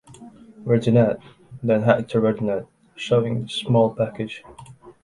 Verdinet, then Hector Verdinet, showing the small package.